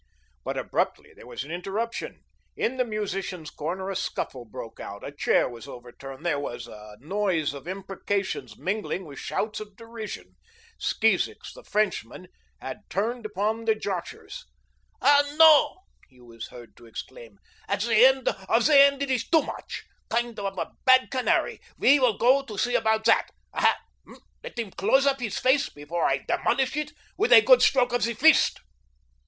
But abruptly there was an interruption. In the musicians' corner a scuffle broke out. A chair was overturned. There was a noise of imprecations mingled with shouts of derision. Skeezicks, the Frenchman, had turned upon the joshers. "Ah, no," he was heard to exclaim, "at the end of the end it is too much. Kind of a bad canary we will go to see about that. Aha, let him close up his face before I demolish it with a good stroke of the fist."